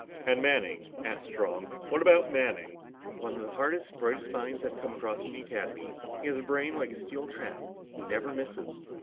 "And Manning," asked Strong. "What about Manning?" "One of the hardest, brightest minds I've come across in the Academy. He has a brain like a steel trap. He never misses."